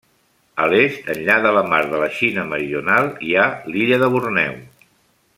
A l'est, enllà de la mar de la Xina meridional, hi ha l'illa de Borneo.